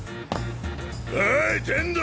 おい天道！